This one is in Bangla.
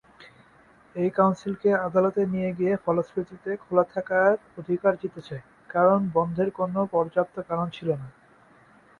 এই কাউন্সিলকে আদালতে নিয়ে গিয়ে ফলশ্রুতিতে খোলা থাকার অধিকার জিতেছে, কারণ এই বন্ধের কোনও পর্যাপ্ত কারণ ছিল না।